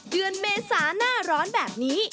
เดือนเมษาหน้าร้อนแบบนี้